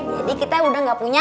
jadi kita udah gak punya